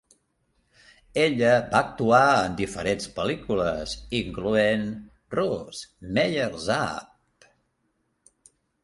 Ella va actuar en diferents pel·lícules, incloent "Russ Meyer's Up!".